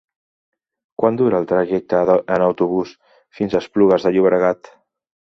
Quant dura el trajecte en autobús fins a Esplugues de Llobregat?